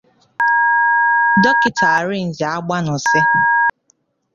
Dọkịta Arịnze Agbanụsị